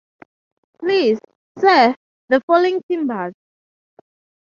Please, sir, the falling timbers!